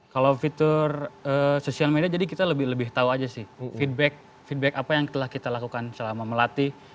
kalau fitur social media jadi kita lebih tahu aja sih feedback apa yang telah kita lakukan selama melatih